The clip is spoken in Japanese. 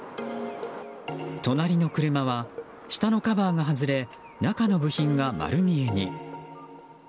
隣の車は下のカバーが外れ中の部品が丸見えに。